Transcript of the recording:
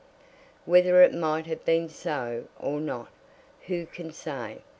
Whether it might have been so, or not, who can say?